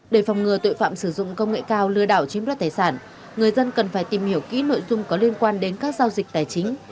để phòng ngừa tội phạm sử dụng công nghệ cao lừa đảo chiếm đoạt tài sản người dân cần phải tìm hiểu kỹ nội dung có liên quan đến các giao dịch tài chính